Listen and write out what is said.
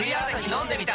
飲んでみた！